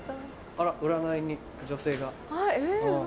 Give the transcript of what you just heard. あら占いに女性が。